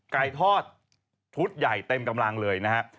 ไก่ทอดชุดใหญ่เต็มกำลังเลยนะฮะ